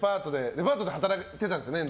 デパートで働いてたんですよね。